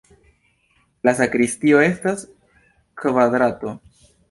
La sakristio estas kvadrato.